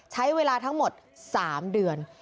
ใช้เวลาทั้งหมด๓เดือน